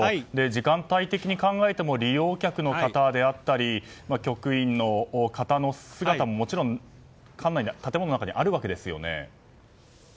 時間帯的に考えても利用客の方であったり局員の方の姿ももちろん建物の中にはあるわけですよね。